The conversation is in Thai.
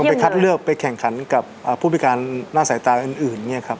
ไปคัดเลือกไปแข่งขันกับผู้พิการหน้าสายตาอื่นเนี่ยครับ